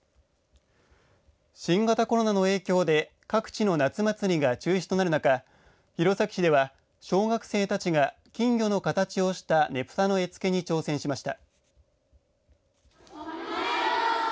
新型コロナの影響で各地の夏祭りが中止となる中弘前市では、小学生たちが金魚の形をしたねぷたの絵付けに挑戦しました。